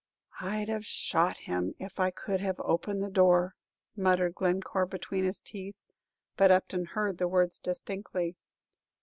"I 'd have shot him, if I could have opened the door," muttered Glencore between his teeth; but Upton heard the words distinctly.